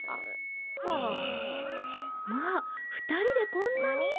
まあ２人でこんなに？